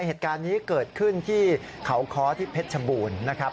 เหตุการณ์นี้เกิดขึ้นที่เขาค้อที่เพชรชบูรณ์นะครับ